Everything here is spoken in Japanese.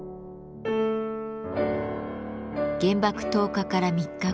原爆投下から３日後。